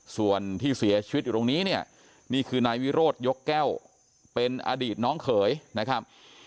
ส่วนที่เสียชีวิตอยู่ตรงนี้เนี่ยนี่คือนายวิโรธยกแก้วเป็นอดีตน้องเขยนะครับ